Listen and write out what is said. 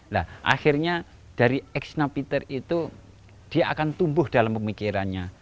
nah akhirnya dari ex napiter itu dia akan tumbuh dalam pemikirannya